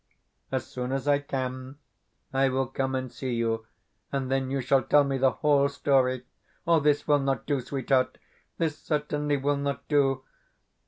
As soon as I can I will come and see you, and then you shall tell me the whole story. This will not do, sweetheart; this certainly will not do.